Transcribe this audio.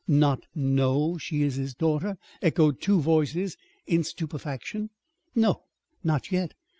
"Not know she is his daughter!" echoed two voices, in stupefaction. "No not yet.